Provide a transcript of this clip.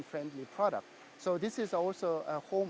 jadi ini juga adalah pekerjaan kami